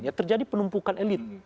ya terjadi penumpukan elit